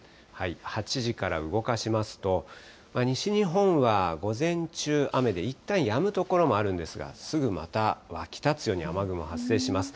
８時から動かしますと、西日本は午前中、雨でいったんやむ所もあるんですが、すぐまた湧き立つように雨雲発生します。